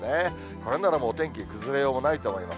これならもう、お天気崩れようもないと思います。